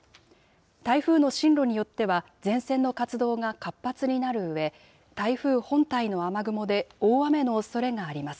台風の進路によっては、前線の活動が活発になるうえ、台風本体の雨雲で、大雨のおそれがあります。